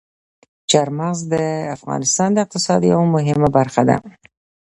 چار مغز د افغانستان د اقتصاد یوه مهمه برخه ده.